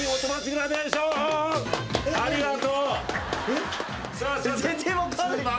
ありがとう！えっ？